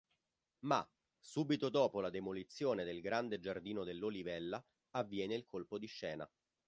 Ma, subito dopo la demolizione del grande giardino dell'Olivella, avviene il colpo di scena.